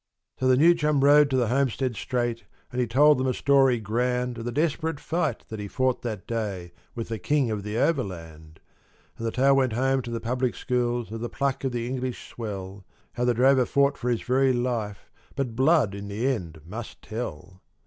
So the new chum rode to the homestead straight and he told them a story grand Of the desperate fight that he fought that day with the King of the Overland. And the tale went home to the public schools of the pluck of the English swell, How the drover fought for his very life, but blood in the end must tell.